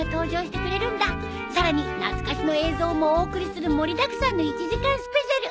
さらに懐かしの映像もお送りする盛りだくさんの１時間スペシャル。